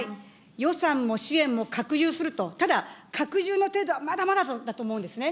予算も支援も拡充すると、ただ、拡充の程度はまだまだだと思うんですね。